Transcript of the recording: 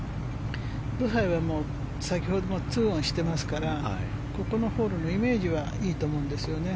ブハイは先ほども２オンしてますからここのホールのイメージはいいと思うんですよね。